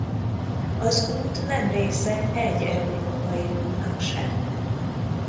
Az út nem része egy európai útnak se.